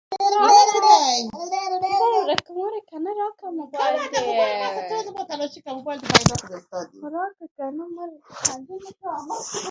ځکه چې ځاى ځاى پکښې ګچ او اومې خښتې ښکارېدلې.